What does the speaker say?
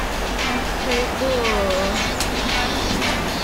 Axi buh!